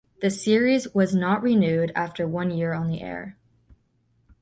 The series was not renewed after one year on the air.